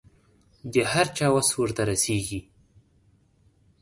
د هر چا وس ورته رسېږي.